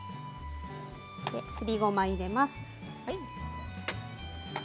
すりごまを入れます。